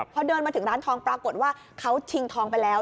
พอเดินมาถึงร้านทองปรากฏว่าเขาชิงทองไปแล้ว